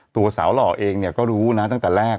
ตัวสาวหล่อเองเนี่ยก็รู้นะตั้งแต่แรก